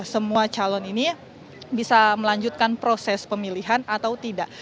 semua calon ini bisa melanjutkan proses pemilihan atau tidak